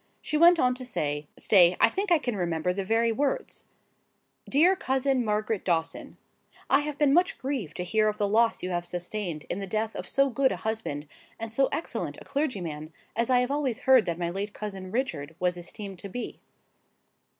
She went on to say,—stay, I think I can remember the very words: 'DEAR COUSIN MARGARET DAWSON,—I have been much grieved to hear of the loss you have sustained in the death of so good a husband, and so excellent a clergyman as I have always heard that my late cousin Richard was esteemed to be.